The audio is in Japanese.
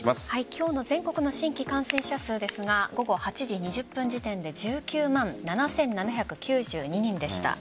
今日の全国の新規感染者数ですが午後８時２０分時点で１９万７７９２人でした。